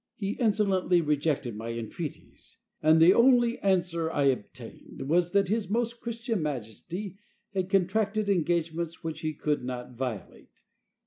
He insolently rejected my entreaties; and the only answer I obtained was that his most Christian majesty had contracted engagements which he could not violate.